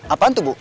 apaan tuh bu